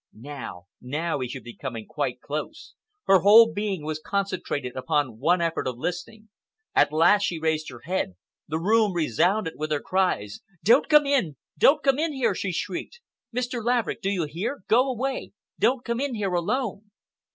Now—now he should be coming quite close. Her whole being was concentrated upon one effort of listening. At last she raised her head. The room resounded with her cries. "Don't come in! Don't come in here!" she shrieked. "Mr. Laverick, do you hear? Go away! Don't come in here alone!"